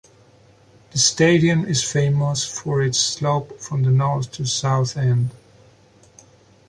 The stadium is famous for its slope from the North to South end.